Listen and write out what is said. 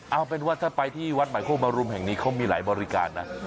เอาเป็นว่าถ้าไปที่วัดใหม่โคกมรุมแห่งนี้เขามีหลายบริการนะ